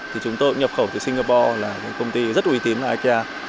thì chúng tôi nhập khẩu từ singapore là một công ty rất uy tín là ikea